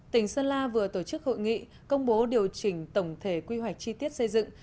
tỉnh sơn la vừa tổ chức hội nghị công bố điều chỉnh tổng thể quy hoạch chi tiết xây dựng